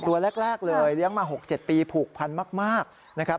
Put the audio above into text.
ตัวแรกเลยเลี้ยงมา๖๗ปีผูกพันมากนะครับ